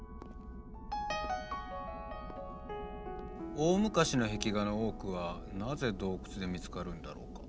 大昔の壁画の多くはなぜ洞窟で見つかるんだろうか。